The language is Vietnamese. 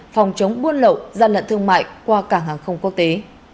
phòng chống buôn lậu gian lận thương mại qua cảng hàng không quốc tế